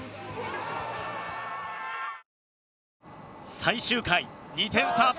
最終回２点差。